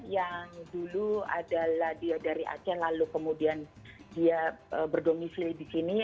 yang dulu adalah dia dari aceh lalu kemudian dia berdomisili di sini